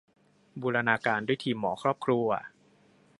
บูรณาการด้วยทีมหมอครอบครัว